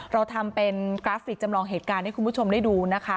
เราทำเป็นกราฟิกจำลองเหตุการณ์ให้คุณผู้ชมได้ดูนะคะ